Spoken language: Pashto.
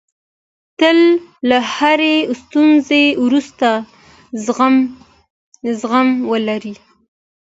تل له هرې ستونزې وروسته زغم ولرئ.